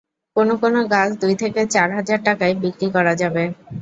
কোনো কোনো গাছ দুই থেকে চার হাজার টাকায় বিক্রি করা যাবে।